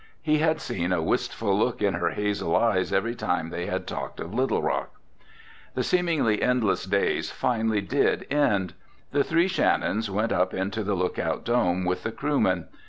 He had seen a wistful look in her hazel eyes every time they had talked of Little Rock. The seemingly endless days finally did end. The three Shannons went up into the lookout dome with the crewmen.